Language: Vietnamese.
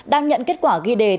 đang nhận kết quả ghi đề